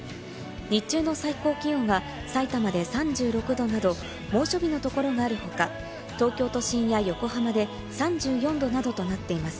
日中の最高気温はさいたまで３６度など猛暑日のところがある他、東京都心や横浜で３４度などとなっています。